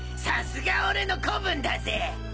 さすが俺の子分だぜ！